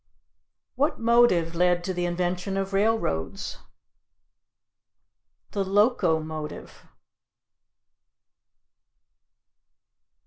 What motive led to the invention of railroads? The locomotive.